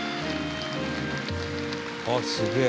「あっすげえ！」